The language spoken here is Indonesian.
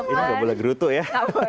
ini gak boleh gerutu ya